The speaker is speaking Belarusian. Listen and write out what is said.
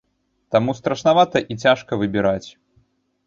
Таму страшнавата і цяжка выбіраць.